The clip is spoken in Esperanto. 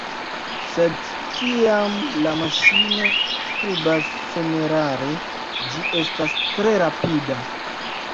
Sed, kiam la maŝino skribas senerare, ĝi estas tre rapida.